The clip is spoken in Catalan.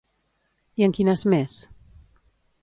I en quines més?